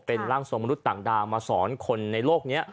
เป็นร่างทรงมนุษย์ต่างดาวมาสอนคนในโลกนี้